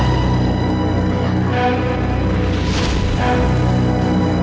paling jatuhnya juga sama sama mampus